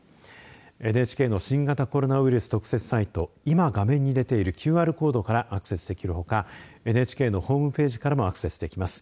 ＮＨＫの新型コロナウイルス特設サイト今画面に出ているＱＲコードからアクセスできるほかＮＨＫのホームページからもアクセスできます。